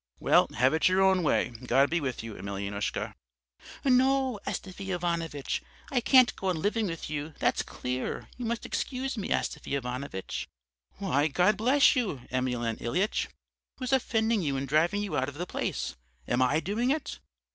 "'Well, have it your own way; God be with you, Emelyanoushka.' "'No, Astafy Ivanovitch, I can't go on living with you, that's clear. You must excuse me, Astafy Ivanovitch.' "'Why, God bless you, Emelyan Ilyitch, who's offending you and driving you out of the place am I doing it?'